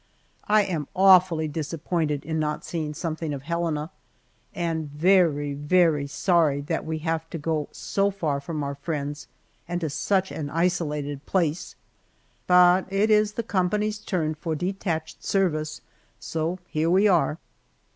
I am awfully disappointed in not seeing something of Helena, and very, very sorry that we have to go so far from our friends and to such an isolated place, but it is the company's turn for detached service, so here we are.